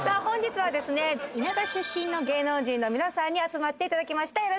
本日は田舎出身の芸能人の皆さんに集まっていただきました。